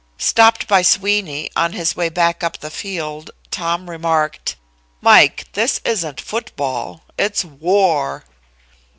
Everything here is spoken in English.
Stopped by Sweeney, on his way back up the field, Tom remarked: "Mike, this isn't football. It's war."